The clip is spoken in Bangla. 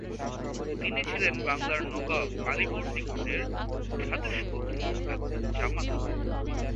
তিনি ছিলেন বাংলার নবাব আলীবর্দী খানের ভ্রাতুষ্পুত্র এবং জামাতা।